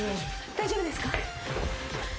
大丈夫ですか？